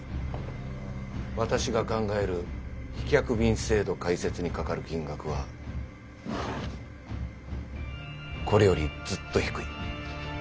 私が考える飛脚便制度開設にかかる金額はこれよりずっと低い。